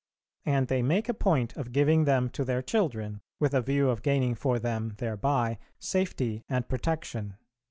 And they make a point of giving them to their children, with a view of gaining for them thereby safety and protection.